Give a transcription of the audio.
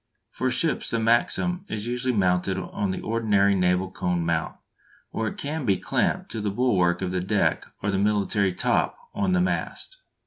For ships the Maxim is usually mounted on the ordinary naval cone mount, or it can be clamped to the bulwark of the deck or the military "top" on the mast.